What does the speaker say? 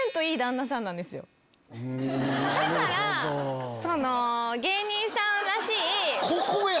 だからその芸人さんらしい。